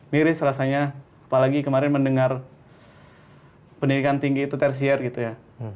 miris rasanya apalagi kemarin mendengar pendidikan tinggi itu tersier gitu ya